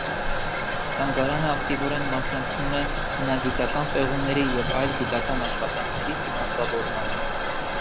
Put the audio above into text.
Թանգարանը ակտիվորեն մասնակցում է հնագիտական պեղումների և այլ գիտական աշխատանքների ֆինանսավորմանը։